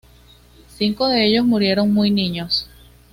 Cinco de ellos murieron muy niños.